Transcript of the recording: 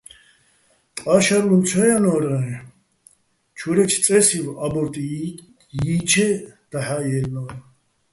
ტყა́ შარლუჼ ცო ჲანო́რე́, ჩურეჩო̆ წე́სივ აბორტ ჲიჩე, დაჰ̦ა́ ჲაჲლნო́რ.